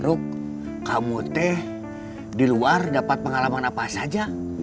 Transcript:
ruk kamu teh di luar dapat pengalaman apa saja